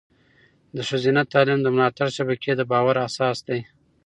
د ښځینه تعلیم د ملاتړ شبکې د باور اساس دی.